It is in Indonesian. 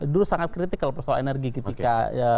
dulu sangat kritikal persoal energi ketika